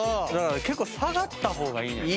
結構下がった方がいいねんな。